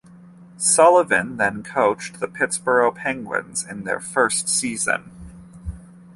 Sullivan then coached the Pittsburgh Penguins in their first season.